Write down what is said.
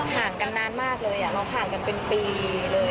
ห่างกันนานมากเลยเราห่างกันเป็นปีเลย